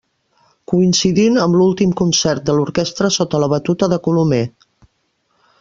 Coincidint amb l'últim concert de l'orquestra sota la batuta de Colomer.